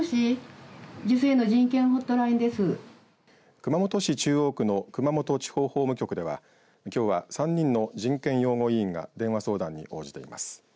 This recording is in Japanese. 熊本市中央区の熊本地方法務局ではきょうは３人の人権擁護委員が電話相談に応じてます。